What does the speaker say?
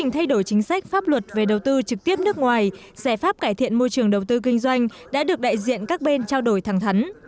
thay đổi chính sách pháp luật về đầu tư trực tiếp nước ngoài giải pháp cải thiện môi trường đầu tư kinh doanh đã được đại diện các bên trao đổi thẳng thắn